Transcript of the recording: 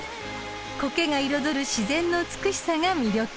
［コケが彩る自然の美しさが魅力］